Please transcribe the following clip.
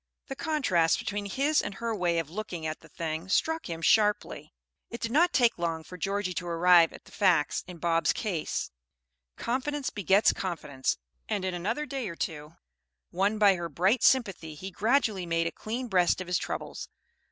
The contrast between his and her way of looking at the thing struck him sharply. It did not take long for Georgie to arrive at the facts in Bob's case. Confidence begets confidence; and in another day or two, won by her bright sympathy, he gradually made a clean breast of his troubles.